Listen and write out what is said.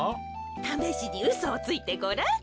ためしにうそをついてごらん。